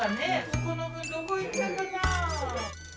そこの分どこいったかなあ。